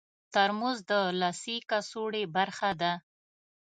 ترموز د لاسي کڅوړې برخه ده.